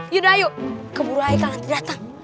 yaudah ayo keburu air kalian datang